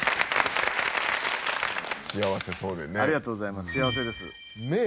ありがとうございます。